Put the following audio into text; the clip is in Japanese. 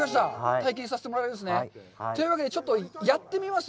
体験させてもらいますね。というわけで、ちょっとやってみます。